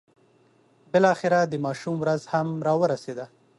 بالاخره د ماشوم ورځ هم را ورسېده.